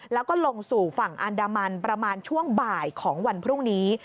แล้วก็ลงสู่ฝั่งอันดามันประมาณช่วงบ่ายของวันพรุ่งนี้